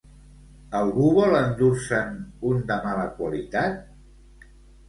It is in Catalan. Algú vol endur-se'n un de mala qualitat?